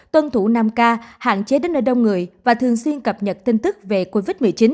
tuân thủ năm k hạn chế đến nơi đông người và thường xuyên cập nhật tin tức về covid một mươi chín